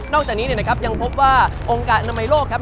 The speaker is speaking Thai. จากนี้นะครับยังพบว่าองค์การอนามัยโลกครับ